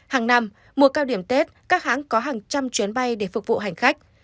hàng năm mùa cao điểm tết các hãng có hàng trăm chuyến bay để phục vụ hành khách